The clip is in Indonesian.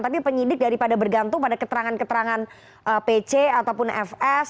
tapi penyidik daripada bergantung pada keterangan keterangan pc ataupun fs